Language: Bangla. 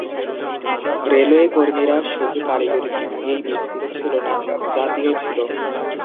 রেলওয়ে কর্মীরা শুধু কারিগরি দিক দিয়েই বিভক্ত ছিল না, জাতিও ছিল।